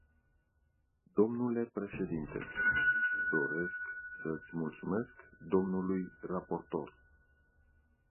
Dle președinte, doresc să îi mulțumesc dlui raportor.